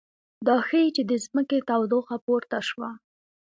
دا ښيي چې د ځمکې تودوخه پورته شوه